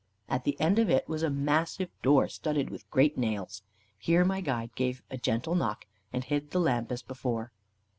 At the end of it was a massive door studded with great nails. Here my guide gave a gentle knock, and hid the lamp as before.